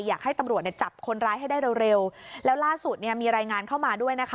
อยากให้ตำรวจจับคนร้ายให้ได้เร็วแล้วล่าสุดมีรายงานเข้ามาด้วยนะคะ